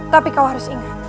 tapi kau harus ingat